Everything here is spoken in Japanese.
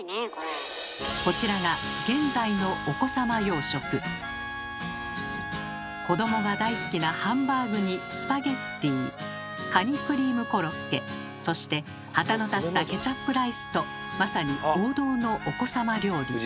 こちらが子どもが大好きなハンバーグにスパゲッティカニクリームコロッケそして旗の立ったケチャップライスとまさに王道のお子様料理。